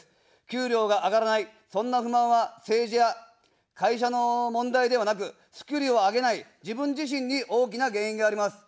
給料が上がらない、そんな不満は政治や会社の問題ではなく、スキルを上げない自分自身に大きな原因があります。